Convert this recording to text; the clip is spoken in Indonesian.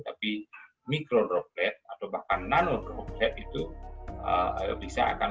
tapi mikrodroplet atau bahkan nano droplet itu bisa akan